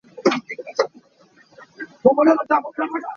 Krismas tuahnak ah sa nan i ring maw?